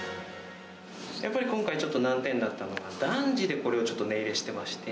やっぱり今回、ちょっと難点だったのが、男児でこれをちょっと値入れしてまして。